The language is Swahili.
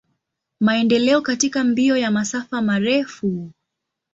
Maendeleo katika mbio ya masafa marefu.